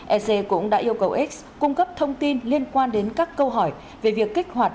ec cũng đã yêu cầu x cung cấp thông tin liên quan đến các câu hỏi về việc kích hoạt